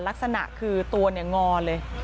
ลักษณะคือตัวเนี่ยงอเลย